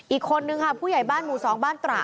อีกคนนึงค่ะผู้ใหญ่บ้านหมู่๒บ้านตระ